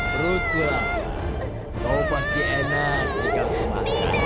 berutulah kau pasti enak jika kau masalah